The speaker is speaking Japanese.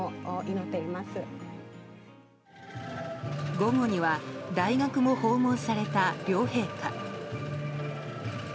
午後には大学も訪問された両陛下。